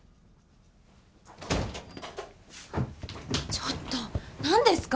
ちょっとなんですか？